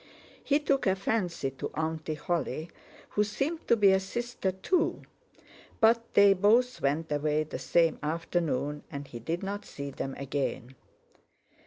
He took a fancy to "Auntie" Holly, who seemed to be a sister too; but they both went away the same afternoon and he did not see them again.